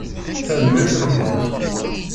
Tanemmirt-nkent!